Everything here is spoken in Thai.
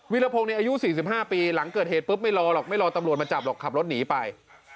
รพงศ์อายุ๔๕ปีหลังเกิดเหตุปุ๊บไม่รอหรอกไม่รอตำรวจมาจับหรอกขับรถหนีไป